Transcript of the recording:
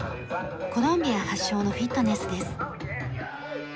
コロンビア発祥のフィットネスです。